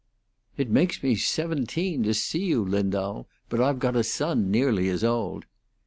"It makes me seventeen to see you, Lindau, but I've got a son nearly as old."